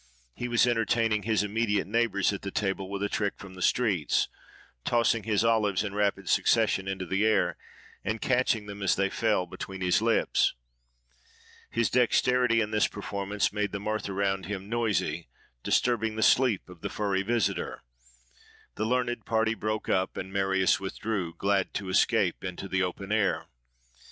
He was entertaining his immediate neighbours at the table with a trick from the streets; tossing his olives in rapid succession into the air, and catching them, as they fell, between his lips. His dexterity in this performance made the mirth around him noisy, disturbing the sleep of the furry visitor: the learned party broke up; and Marius withdrew, glad to escape into the open air.